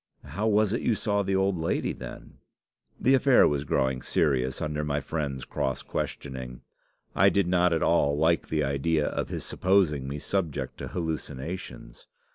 "'How was it you saw the old lady, then?' "The affair was growing serious under my friend's cross questioning. I did not at all like the idea of his supposing me subject to hallucinations.